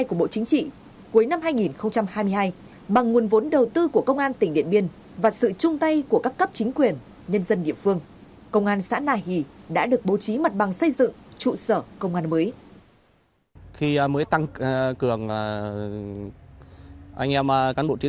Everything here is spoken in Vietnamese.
cuối năm hai nghìn hai mươi hai bằng nguồn vốn đầu tư của công an tỉnh điện biên và sự chung tay của các cấp chính quyền nhân dân địa phương công an xã nà hỷ đã được bố trí mặt bằng xây dựng trụ sở công an mới